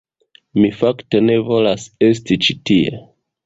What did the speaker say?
Mi fakte ne volas esti ĉi tie.